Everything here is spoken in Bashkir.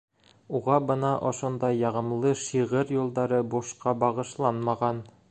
Уға бына ошондай яғымлы шиғыр юлдары бушҡа бағышланмаған.